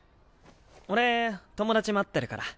俺友達待ってるから。